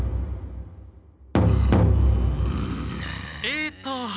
えっと